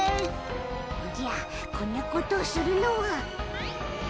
おじゃこんなことをするのは。